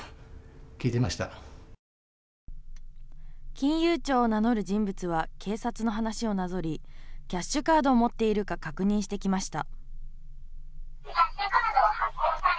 金融庁を名乗る人物は警察の話をなぞりキャッシュカードを持っているか確認してきました。